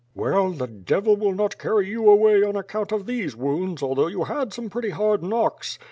"Well, the devil will not carry you away on account of these wounds although you had some pretty hard knocks.